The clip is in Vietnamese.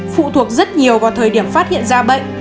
phụ thuộc rất nhiều vào thời điểm phát hiện ra bệnh